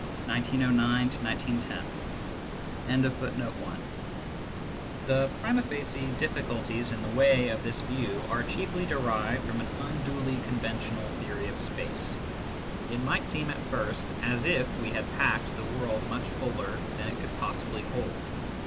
1900 1910. 138 MYSTICISM AND LOGIC The prima facie difficulties in the way of this view are chiefly derived from an unduly conventional theory of space. It might seem at first sight as if we had packed the world much fuller than it could possibly hold.